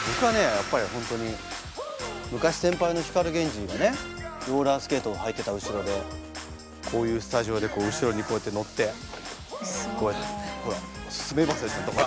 やっぱり本当に昔先輩の光ＧＥＮＪＩのねローラースケートを履いてた後ろでこういうスタジオでこう後ろにこうやって乗ってこうやってほらほらほら！